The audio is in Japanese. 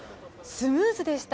スムーズでした。